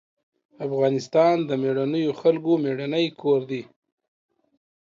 افغانستان د مېړنيو خلکو مېړنی کور دی.